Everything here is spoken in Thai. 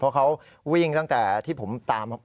เพราะเขาวิ่งตั้งแต่ที่ผมตาม